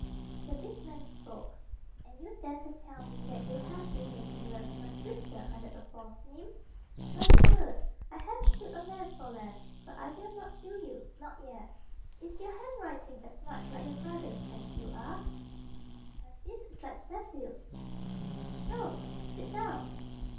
The big man spoke. "And you dare to tell me that you have been making love to my sister under a false name? Very good, I have killed a man for less. But I will not kill you not yet Is your handwriting as much like your brother's as you are?" "My fist is like Cecil's." "So! Sit down."